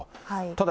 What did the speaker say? ただ